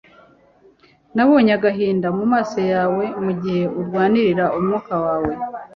nabonye agahinda mumaso yawe mugihe urwanira umwuka wawe